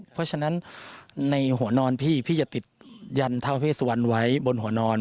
เพราะฉะนั้นในหัวนอนพี่พี่จะติดยันทาเวสวันไว้บนหัวนอน